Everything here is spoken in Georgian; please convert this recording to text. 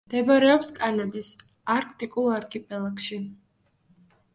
მდებარეობს კანადის არქტიკულ არქიპელაგში.